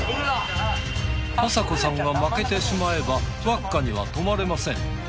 あさこさんが負けてしまえばＷＡＫＫＡには泊まれません。